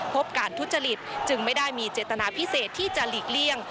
พบการทุจริตจึงไม่ได้มีเจตนาพิเศษที่จะหลีกเลี่ยง